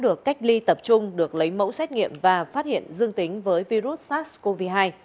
được cách ly tập trung được lấy mẫu xét nghiệm và phát hiện dương tính với virus sars cov hai